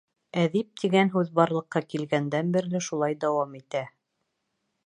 «Әҙип» тигән һүҙ барлыҡҡа килгәндән бирле шулай дауам итә.